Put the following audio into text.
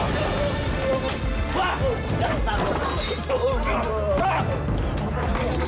setiap aku sedih